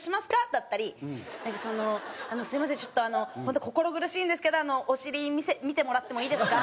だったり「すいませんちょっとホント心苦しいんですけどお尻見てもらってもいいですか？」。